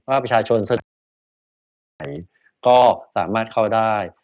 ว่าประชาชนก็สามารถเข้าได้